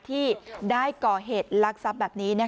ที่ได้ก่อเหตุลักษัพแบบนี้